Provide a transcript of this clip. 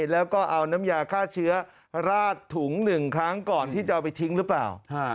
แล้วก็เอาน้ำยาฆ่าเชื้อราดถุง๑ครั้งก่อนที่จะเอาไปทิ้งหรือเปล่า